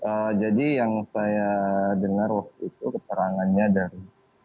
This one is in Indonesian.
ya jadi yang saya dengar waktu itu keterangannya dari